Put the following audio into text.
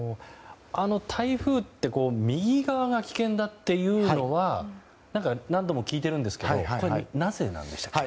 台風って右側が危険だというのは何度も聞いているんですけどなぜなんでしたっけ？